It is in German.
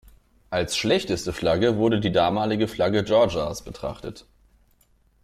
Als schlechteste Flagge wurde die damalige Flagge Georgias betrachtet.